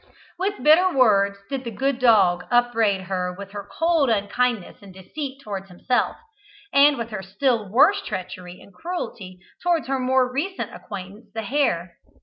With bitter words did the good dog upbraid her with her cold unkindness and deceit towards himself, and with her still worse treachery and cruelty towards her more recent acquaintance, the hare.